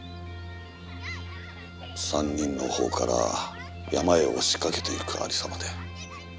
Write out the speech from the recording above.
３人の方から山へ押しかけていくありさまで。